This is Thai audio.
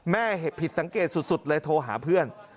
แม่ผิดสังเกตสุดเลยโทรหาเพื่อน